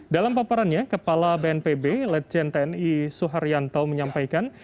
dalam paparannya kepala bnpb lejen tni suharyanto menyampaikan